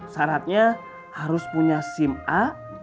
syaratnya harus punya sim a